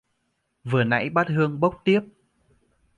vừa nãy bát hương bốc tiếp